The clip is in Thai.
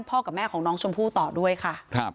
กับแม่ของน้องชมพู่ต่อด้วยค่ะ